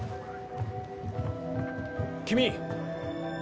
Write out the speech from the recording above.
君！